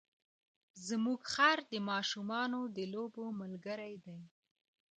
زموږ خر د ماشومانو د لوبو ملګری دی.